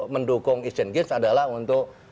mendukung asian games adalah untuk